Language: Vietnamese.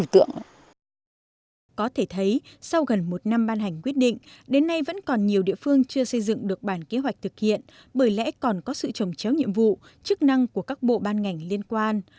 có thể thấy sau gần một năm ban hành quyết định đến nay vẫn còn nhiều địa phương chưa xây dựng được bản kế hoạch thực hiện bởi lẽ còn có sự trồng chéo nhiệm vụ chức năng của các bộ ban ngành liên quan